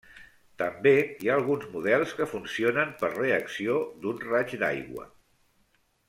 També hi ha alguns models que funcionen per reacció d'un raig d'aigua.